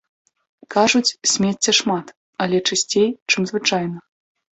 Кажуць, смецця шмат, але чысцей, чым звычайна.